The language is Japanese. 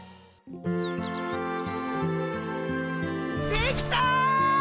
できた！